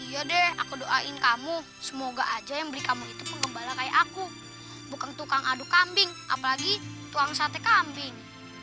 iya deh aku doain kamu semoga aja yang beli kamu itu pengembala kayak aku bukan tukang aduk kambing apalagi tukang sate kambing